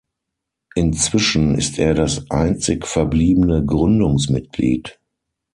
Inzwischen ist er das einzig verbliebene Gründungsmitglied.